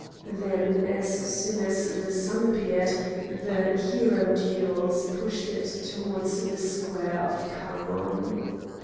Then as soon as the sun appeared the hierodules pushed it towards the square of Khamon.